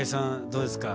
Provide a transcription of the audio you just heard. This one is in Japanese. どうですか？